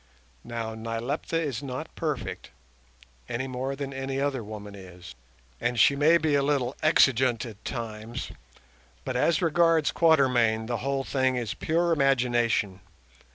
Now Nyleptha is not perfect, any more than any other woman is, and she may be a little exigeante at times, but as regards Quatermain the whole thing is pure imagination.